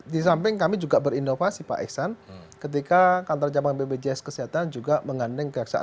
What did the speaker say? di samping kami juga berinovasi pak iksan ketika kantor cabang bpjs kesehatan juga mengandeng kejaksaan